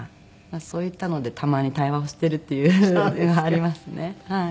そういったのでたまに対話をしてるっていうのがありますねはい。